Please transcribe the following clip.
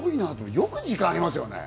よく時間ありますよね。